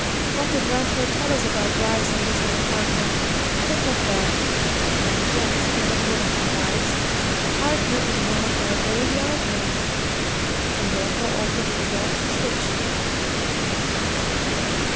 What did Ransford tell us about Bryce and this old Harker think of that! And yet, according to Bryce, Harker is one of our old Yard men! and therefore ought to be above suspicion."